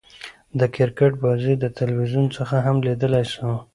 د کرکټ بازۍ له تلویزیون څخه هم ليدلاى سو.